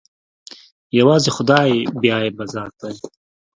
يوازې خداى بې عيبه ذات ديه.